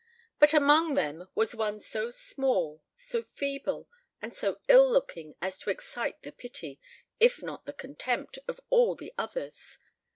But among them was one so small, so feeble, and so ill looking as to excite the pity, if not the contempt, of all the others.